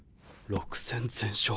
６戦全勝。